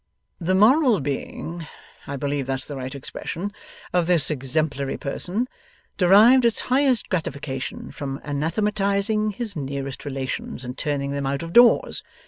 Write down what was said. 'The moral being I believe that's the right expression of this exemplary person, derived its highest gratification from anathematizing his nearest relations and turning them out of doors.